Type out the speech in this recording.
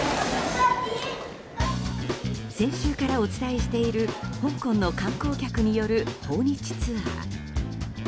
先週からお伝えしている香港の観光客による訪日ツアー。